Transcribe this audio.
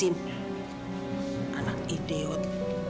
apa yang kau lihat